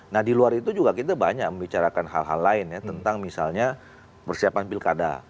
nah di luar itu juga kita banyak membicarakan hal hal lain ya tentang misalnya persiapan pilkada